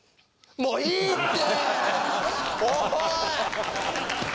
もういいって！